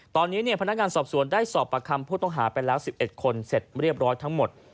ตอนนี้พนักงานสอบสวนได้สอบประคำผู้ต้องหาไปแล้ว๑๑คนเสร็จเรียบร้อยทั้งหมด